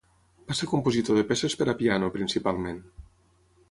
Va ser compositor de peces per a piano, principalment.